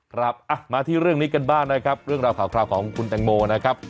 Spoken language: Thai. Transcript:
ครับมาที่เรื่องนี้กันบ้างนะครับเรื่องราวข่าวคราวของคุณแตงโมนะครับ